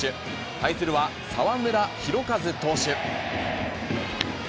対するは、澤村拓一投手。